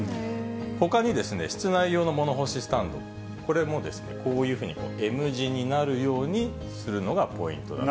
ほかにですね、室内用の物干しスタンド、これもこういうふうにＭ字になるようにするのがポイントだと。